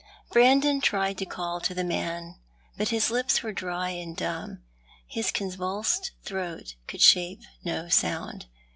lirandon tried to call to the man, but his lips were dry and dumb, his convulsed throat could shape no sound.